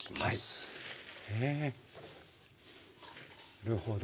なるほど。